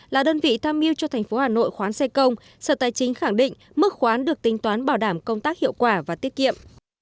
là đơn vị tham mưu cho thành phố hà nội khoán xe công sở tài chính khẳng định mức khoán được tính toán bảo đảm công tác hiệu quả và tiết kiệm